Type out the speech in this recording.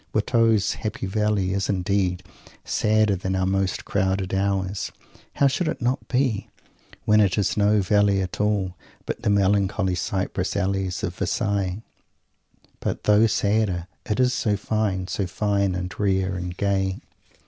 Watteau's "happy valley" is, indeed, sadder than our most crowded hours how should it not be, when it is no "valley" at all, but the melancholy cypress alleys of Versailles? but, though sadder, it is so fine; so fine and rare and gay!